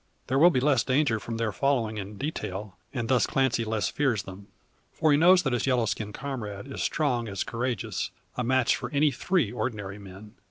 There will be less danger from their following in detail, and thus Clancy less fears them. For he knows that his yellow skinned comrade is strong as courageous; a match for any three ordinary men.